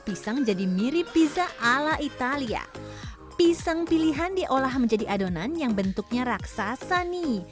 pisang jadi mirip pizza ala italia pisang pilihan diolah menjadi adonan yang bentuknya raksasa nih